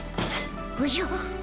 おじゃ。